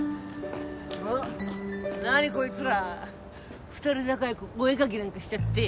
おっ何こいつら２人で仲良くお絵描きなんかしちゃって。